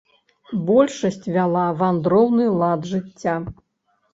Большасць вяла вандроўны лад жыцця.